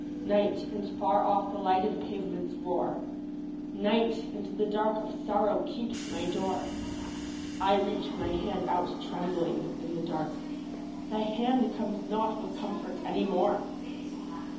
Night; and far off the lighted pavements roar. Night; and the dark of sorrow keeps my door. I reach my hand out trembling in the dark. Thy hand comes not with comfort any more.